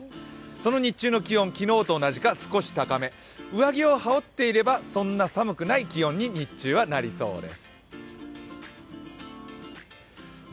その日中の気温、昨日と同じか少し高め、上着を羽織っていればそんなに寒くない気温に日中はなりそうです。